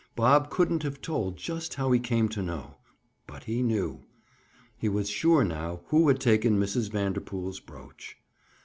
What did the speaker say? Bob couldn't have told just how he came to know. But he knew. He was sure now who had taken Mrs. Vanderpool's brooch.